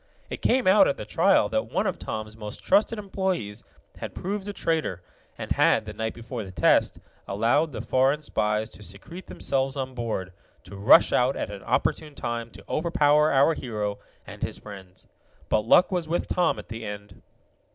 It came out at the trial that one of Tom's most trusted employees had proved a traitor, and had the night before the test, allowed the foreign spies to secrete themselves on board, to rush out at an opportune time to overpower our hero and his friends. But luck was with Tom at the end.